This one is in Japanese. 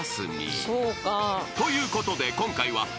［ということで今回は］